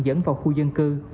dẫn vào khu dân cư